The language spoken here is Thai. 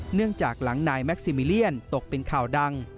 เนื่องจากหลังนายแม็กซิมิเลียนตกเป็นข่าวดัง